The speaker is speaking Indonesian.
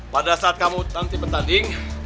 pada saat kamu nanti bertanding